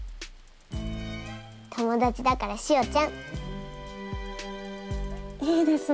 友達だからしおちゃん。いいですね！